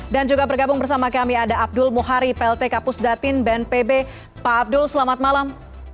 dan juga bergabung bersama kami ada abdul muhari plt kapus datin bnpb pak abdul selamat malam